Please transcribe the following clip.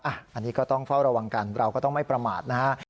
อันนี้ก็ต้องเฝ้าระวังกันเราก็ต้องไม่ประมาทนะฮะ